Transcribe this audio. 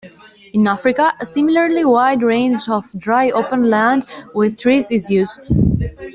In Africa, a similarly wide range of dry open land with trees is used.